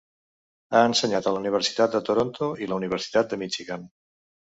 Ha ensenyat a la Universitat de Toronto i la Universitat de Michigan.